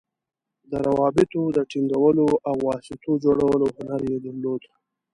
د روابطو د ټینګولو او واسطو جوړولو هنر یې درلود.